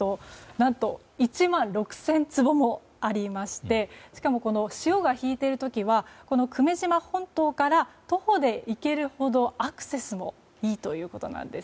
何と１万６０００坪もありましてしかも、潮が引いている時は久米島本島から徒歩で行けるほどアクセスもいいということなんです。